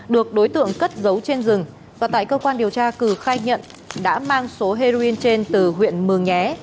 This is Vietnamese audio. được đối tượng cất dấu trên rừng và tại cơ quan điều tra cử khai nhận đã mang số heroin trên từ huyện mường nhé